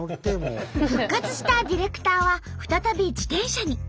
復活したディレクターは再び自転車に。